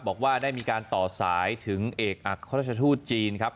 บอกว่าได้มีการต่อสายถึงเอกอัครราชทูตจีนครับ